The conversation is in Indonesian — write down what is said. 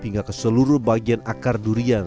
hingga ke seluruh bagian akar durian